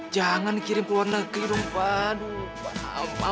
jangan kirim keluar negeri dong pak